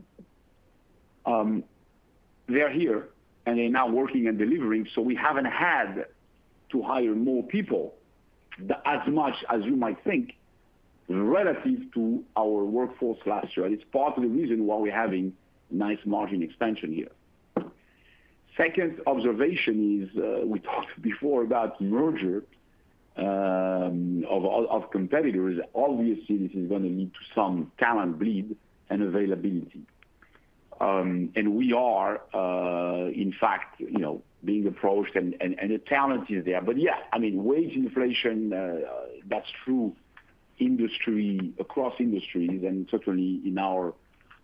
Speaker 3: They are here and they're now working and delivering, we haven't had to hire more people as much as you might think relative to our workforce last year. It's part of the reason why we're having nice margin expansion here. Second observation is, we talked before about merger of competitors. Obviously, this is going to lead to some talent bleed and availability. We are, in fact, being approached and the talent is there. Yeah, wage inflation, that's true across industries and certainly in our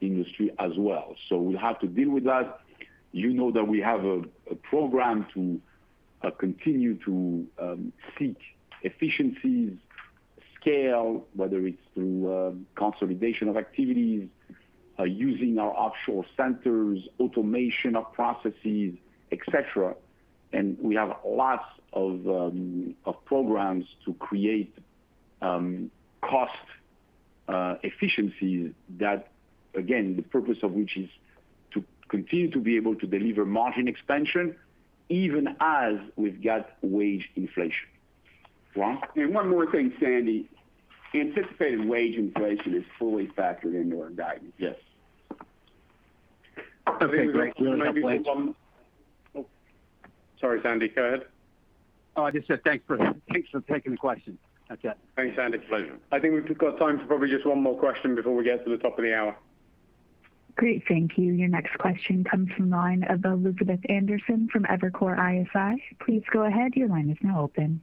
Speaker 3: industry as well. We have to deal with that. You know that we have a program to continue to seek efficiencies, scale, whether it's through consolidation of activities, using our offshore centers, automation of processes, et cetera. We have lots of programs to create cost efficiencies that, again, the purpose of which is to continue to be able to deliver margin expansion even as we've got wage inflation. Ron?
Speaker 4: One more thing, Sandy. Anticipated wage inflation is fully factored into our guidance. Yes.
Speaker 11: Okay, great. Maybe one more. Oh.
Speaker 3: Sorry, Sandy. Go ahead.
Speaker 11: Oh, I just said thanks for taking the question. That's it.
Speaker 3: Thanks, Sandy. Pleasure. I think we've got time for probably just one more question before we get to the top of the hour.
Speaker 1: Great. Thank you. Your next question comes from the line of Elizabeth Anderson from Evercore ISI. Please go ahead.
Speaker 12: Hi,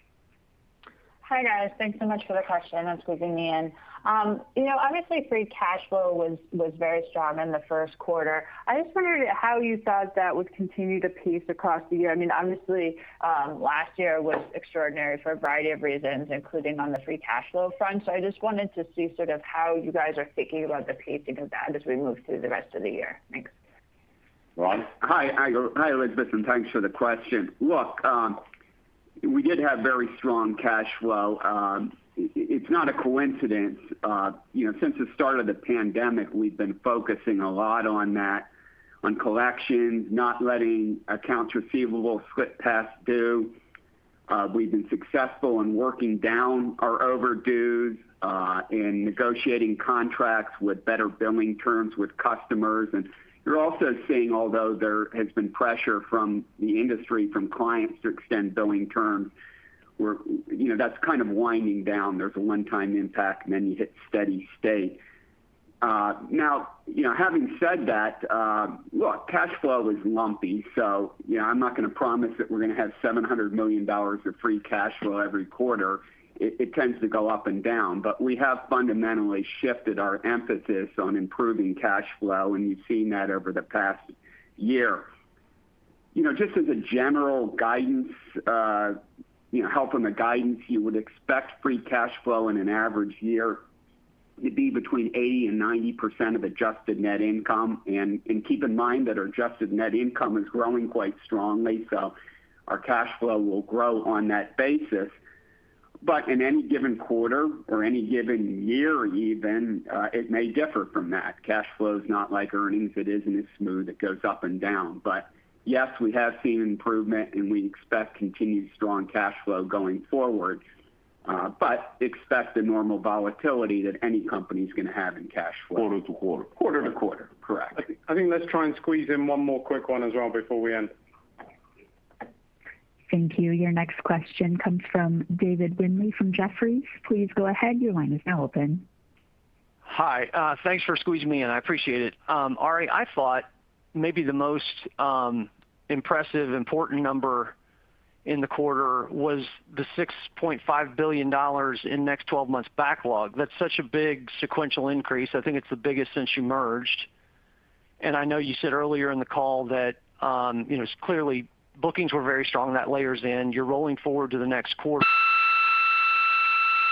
Speaker 12: guys. Thanks so much for the question. I'm squeezing in. Obviously free cash flow was very strong in the first quarter. I just wondered how you thought that would continue to pace across the year. Obviously, last year was extraordinary for a variety of reasons, including on the free cash flow front. I just wanted to see sort of how you guys are thinking about the pacing of that as we move through the rest of the year. Thanks.
Speaker 3: Ron?
Speaker 4: Hi, Elizabeth. Thanks for the question. Look, we did have very strong cash flow. It's not a coincidence. Since the start of the pandemic, we've been focusing a lot on that, on collections, not letting accounts receivable slip past due. We've been successful in working down our overdues, in negotiating contracts with better billing terms with customers. You're also seeing, although there has been pressure from the industry, from clients to extend billing terms, that's kind of winding down. There's a one-time impact. You hit steady state. Having said that, look, cash flow is lumpy. I'm not going to promise that we're going to have $700 million of free cash flow every quarter. It tends to go up and down. We have fundamentally shifted our emphasis on improving cash flow. You've seen that over the past year. Just as a general guidance, help from a guidance, you would expect free cash flow in an average year to be between 80% and 90% of adjusted net income. Keep in mind that our adjusted net income is growing quite strongly, so our cash flow will grow on that basis. In any given quarter or any given year even, it may differ from that. Cash flow is not like earnings. It isn't as smooth. It goes up and down. Yes, we have seen improvement and we expect continued strong cash flow going forward. Expect the normal volatility that any company's going to have in cash flow.
Speaker 2: Quarter-to-quarter.
Speaker 4: Quarter-to-quarter. Correct.
Speaker 2: I think let's try and squeeze in one more quick one as well before we end.
Speaker 1: Thank you. Your next question comes from David Windley from Jefferies. Please go ahead.
Speaker 13: Hi. Thanks for squeezing me in. I appreciate it. Ari, I thought maybe the most impressive, important number in the quarter was the $6.5 billion in next 12 months backlog. That's such a big sequential increase. I think it's the biggest since you merged. I know you said earlier in the call that clearly bookings were very strong. That layers in. You're rolling forward to the next quarter.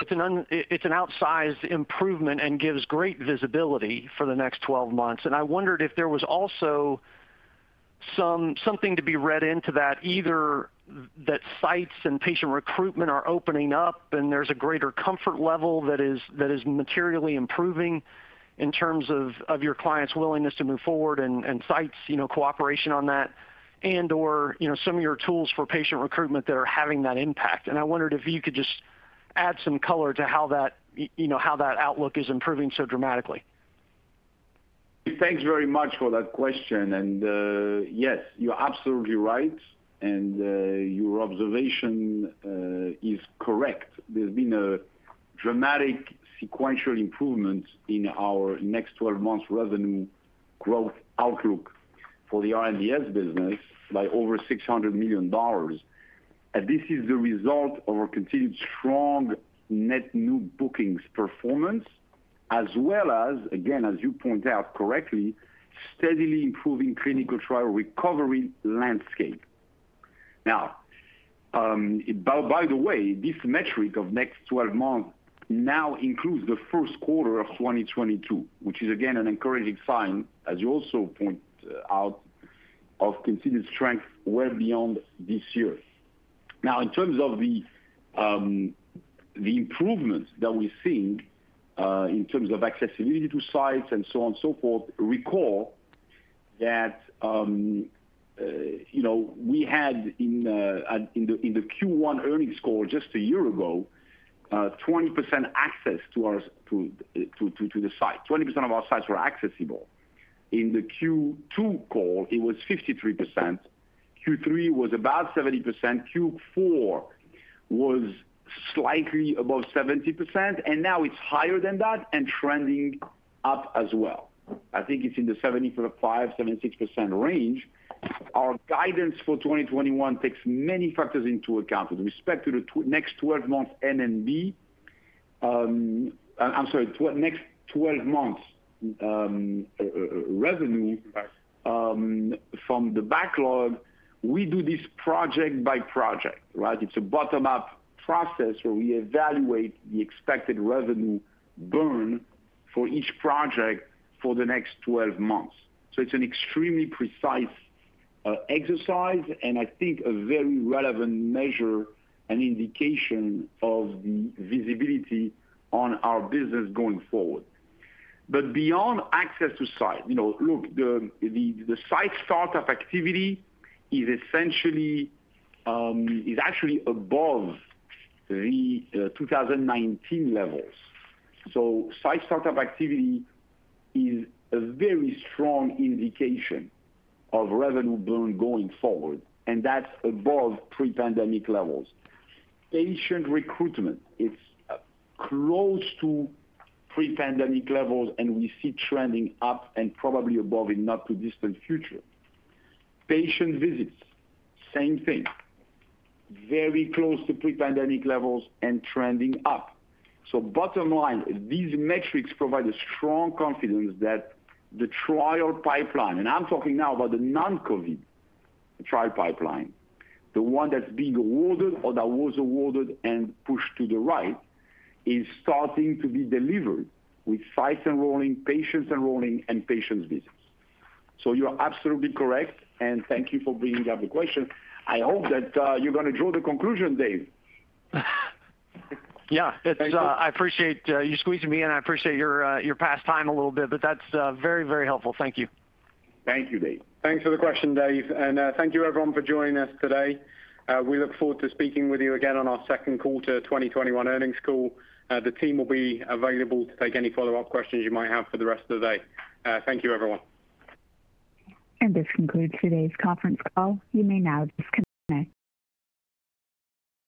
Speaker 13: It's an outsized improvement and gives great visibility for the next 12 months. I wondered if there was also something to be read into that, either that sites and patient recruitment are opening up and there's a greater comfort level that is materially improving in terms of your clients' willingness to move forward and sites' cooperation on that and/or some of your tools for patient recruitment that are having that impact. I wondered if you could just add some color to how that outlook is improving so dramatically.
Speaker 3: Thanks very much for that question. Yes, you're absolutely right, and your observation is correct. There's been a dramatic sequential improvement in our next 12 months revenue growth outlook for the R&DS business by over $600 million. This is the result of our continued strong net new bookings performance, as well as, again, as you point out correctly, steadily improving clinical trial recovery landscape. By the way, this metric of next 12 months now includes the first quarter of 2022, which is again an encouraging sign, as you also point out, of continued strength well beyond this year. In terms of the improvements that we're seeing in terms of accessibility to sites and so on and so forth, recall that we had, in the Q1 earnings call just a year ago, 20% access to the site. 20% of our sites were accessible. In the Q2 call, it was 53%. Q3 was about 70%. Q4 was slightly above 70%, and now it's higher than that and trending up as well. I think it's in the 75%-76% range. Our guidance for 2021 takes many factors into account. With respect to the next 12 months, I'm sorry, next 12 months revenue from the backlog, we do this project by project. It's a bottom-up process where we evaluate the expected revenue burn for each project for the next 12 months. It's an extremely precise exercise and I think a very relevant measure and indication of the visibility on our business going forward. Beyond access to site, look, the site start-up activity is actually above the 2019 levels. Site start-up activity is a very strong indication of revenue burn going forward, and that's above pre-pandemic levels. Patient recruitment is close to pre-pandemic levels, and we see trending up and probably above in the not-too-distant future. Patient visits, same thing. Very close to pre-pandemic levels and trending up. Bottom line, these metrics provide a strong confidence that the trial pipeline, and I'm talking now about the non-COVID trial pipeline, the one that's being awarded or that was awarded and pushed to the right, is starting to be delivered with sites enrolling, patients enrolling, and patient visits. You are absolutely correct, and thank you for bringing up the question. I hope that you're going to draw the conclusion, Dave.
Speaker 13: Yeah. Thank you. I appreciate you squeezing me in. I appreciate your past time a little bit, but that's very, very helpful. Thank you.
Speaker 3: Thank you, Dave.
Speaker 2: Thanks for the question, Dave, and thank you everyone for joining us today. We look forward to speaking with you again on our second quarter 2021 earnings call. The team will be available to take any follow-up questions you might have for the rest of the day. Thank you, everyone.
Speaker 1: This concludes today's conference call. You may now disconnect.